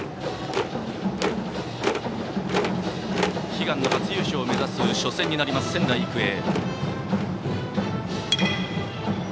悲願の初優勝を目指す初戦仙台育英。